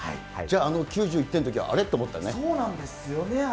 じゃあ、９１点のときはあれ？と思ったんですね。